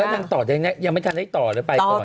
แล้วการต่อยังไม่ทันให้ต่อหรือไปก่อน